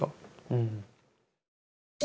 うん。